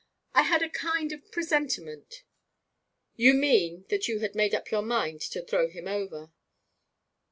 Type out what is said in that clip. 'I had a kind of presentiment ' 'You mean that you had made up your mind to throw him over.'